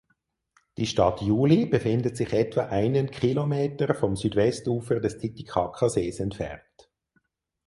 Die Stadt Juli befindet sich etwa einen Kilometer vom Südwestufer des Titicacasees entfernt.